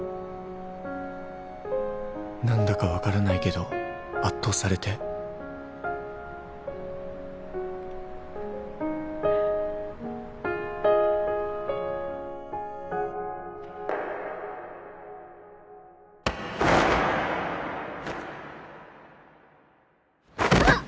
何だか分からないけど圧倒されてうわっ！